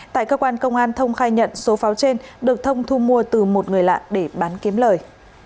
tại cơ quan công an thông khai nhận số pháo trên được thông thu mua từ một người lạ để bán kiếm lời